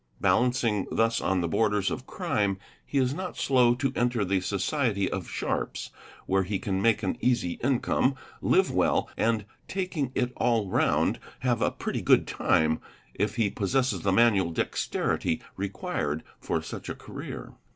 Balancing thus on the borders of crime he is not slow to enter the society of sharps, where he can make an easy income, live well, and, taking it all round, have a pretty good time, if he possesses the manual dexterity required for such a career.